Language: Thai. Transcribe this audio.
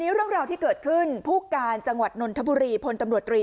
เรื่องราวที่เกิดขึ้นผู้การจังหวัดนนทบุรีพลตำรวจตรี